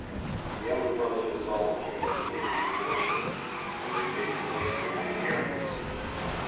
'* The elder brothers resolved to go and seek their fortune, and they begged a blessing of their parents.